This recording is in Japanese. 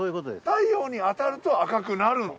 太陽に当たると赤くなるんだ。